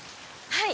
はい。